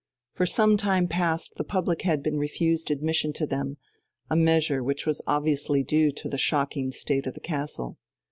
For some time past the public had been refused admission to them, a measure which was obviously due to the shocking state of the castle.